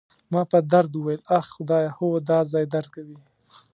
ما په درد وویل: اخ، خدایه، هو، دا ځای درد کوي.